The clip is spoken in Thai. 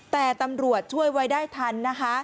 แต่ตำรวจช่วยไว้ได้ทันนะคะ